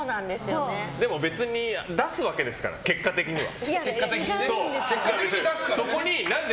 でも別に出すわけですから結果的には。